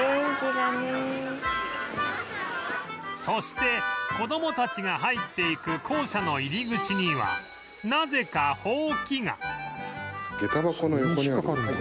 そして子供たちが入っていく校舎の入り口にはなぜかホウキが